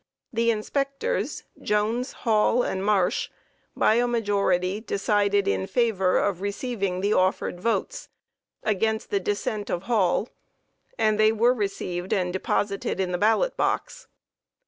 The inspectors, JONES, HALL, and MARSH, by a majority, decided in favor of receiving the offered votes, against the dissent of HALL, and they were received and deposited in the ballot box.